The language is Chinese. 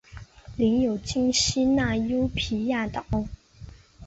领有今希腊优卑亚岛。